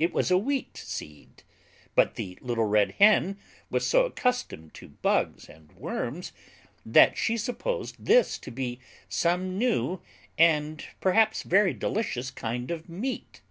It was a Wheat Seed, but the Little Red Hen was so accustomed to bugs and worms that she supposed this to be some new and perhaps very delicious kind of meat.